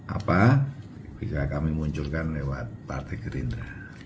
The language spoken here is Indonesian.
apa bisa kami munculkan lewat partai gerindra